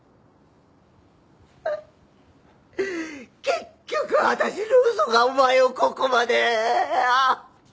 結局私の嘘がお前をここまで！